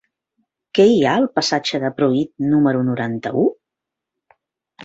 Què hi ha al passatge de Pruit número noranta-u?